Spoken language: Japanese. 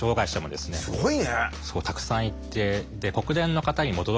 すごいね。